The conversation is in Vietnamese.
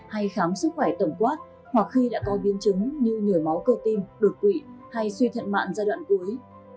hay khám sức khỏe tổng quát hoặc khi đã có biến chứng như nhồi máu cơ tim đột quỵ hay suy thận mạng giai đoạn cuối